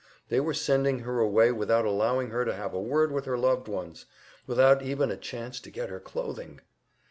They were sending her away without allowing her to have a word with her loved ones, without even a chance to get her clothing!